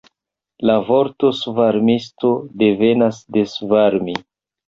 La vorto svarmisto devenas de svarmi.